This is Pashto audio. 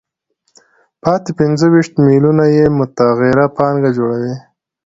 پاتې پنځه ویشت میلیونه یې متغیره پانګه جوړوي